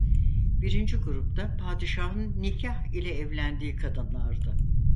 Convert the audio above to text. Birinci grupta padişahın nikâh ile evlendiği kadınlardı.